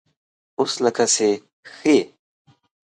_اوس لکه چې ښه يې؟